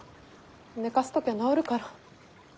寝かせときゃ治るから。